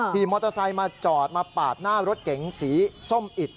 ขี่มอเตอร์ไซค์มาจอดมาปาดหน้ารถเก๋งสีส้มอิด